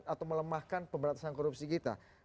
atau melemahkan pemberantasan korupsi kita